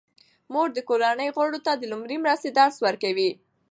مور د کورنۍ غړو ته د لومړنۍ مرستې درس ورکوي.